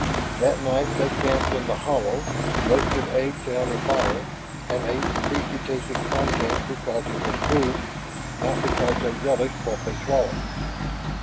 That night they camped in the hollow, roasted eggs in a fire, and ate the fishy tasting contents because it was food, not because they relished what they swallowed.